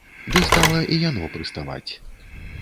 Ды стала і яно прыставаць.